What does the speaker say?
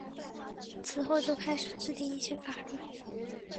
此后就开始制定一些法律。